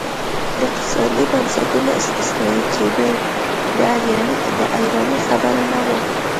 د اقتصادي بنسټونو استثنایي کېدل د حیرانۍ خبره نه وه.